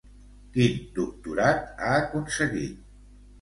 Quin doctorat ha aconseguit?